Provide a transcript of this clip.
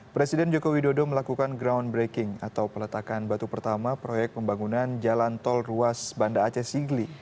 presiden joko widodo melakukan groundbreaking atau peletakan batu pertama proyek pembangunan jalan tol ruas banda aceh sigli